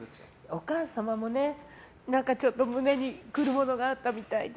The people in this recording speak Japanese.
お母様もね、何かちょっと胸に来るものがあったみたいで。